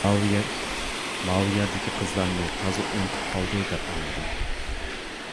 ماۋۇ يەردىكى قىزلارنى تازا ئۇنتۇپ قالدى دەپ ئاڭلىدىم.